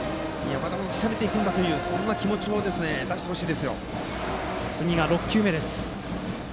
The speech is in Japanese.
攻めていくんだとそんな気持ちを出してほしいです。